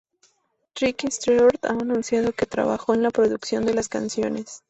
Tricky Stewart ha anunciado que trabajó en la producción de las canciones.